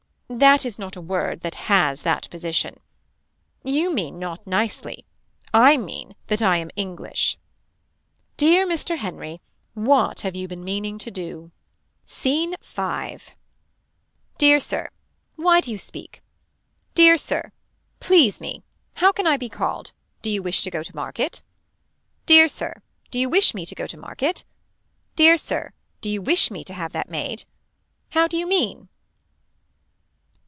That is not a word that has that position. You mean not nicely. I mean that I am English. Dear Mr. Henry. What have you been meaning to do. Scene 5. Dear Sir. Why do you speak. Dear Sir. Please me. How can I be called. Do you wish to go to market. Dear Sir. Do you wish me to go to market. Dear Sir. Do you wish me to have that made. How do you mean.